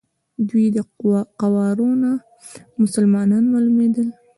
دوی د قوارو نه مسلمانان معلومېدل.